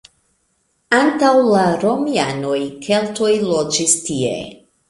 Antaŭ la romianoj keltoj loĝis tie.